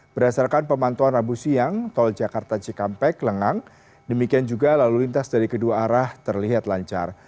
berdasarkan pemantauan rabu siang tol jakarta cikampek lengang demikian juga lalu lintas dari kedua arah terlihat lancar